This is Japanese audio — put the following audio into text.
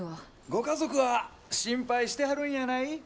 ご家族は心配してはるんやない？